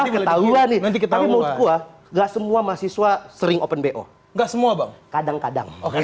nanti ketahuan ini nanti kita semua gak semua mahasiswa sering open bok gak semua bang kadang kadang